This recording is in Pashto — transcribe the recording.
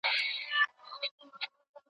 ایا سمارټ وسایل زده کړه اسانه کړې؟